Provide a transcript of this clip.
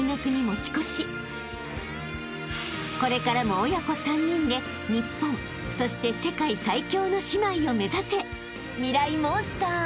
［これからも親子３人で日本そして世界最強の姉妹を目指せ！］